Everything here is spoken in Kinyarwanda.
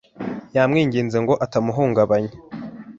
Yamwinginze ngo atamuhungabanya.